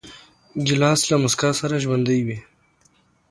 ګیلاس له موسکا سره ژوندی وي.